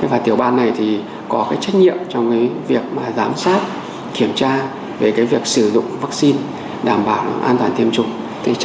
thế và tiểu ban này thì có cái trách nhiệm trong việc giám sát kiểm tra về việc sử dụng vaccine đảm bảo an toàn tiêm chủng